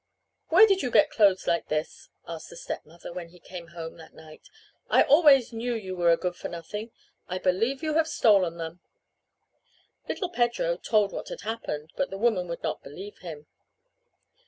"Where did you get clothes like this?" asked the stepmother when he came home that night. "I always knew you were a good for nothing. I believe you have stolen them." Little Pedro told what had happened, but the woman would not believe him.